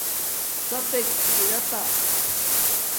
ڎیپک ارتا